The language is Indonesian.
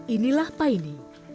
inilah apa ini